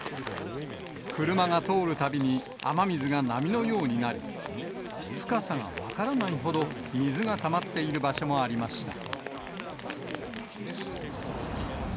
車が通るたびに雨水が波のようになり、深さが分からないほど、水がたまっている場所もありました。